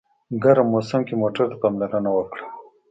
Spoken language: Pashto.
ګرم موسم کې موټر ته پاملرنه وکړه.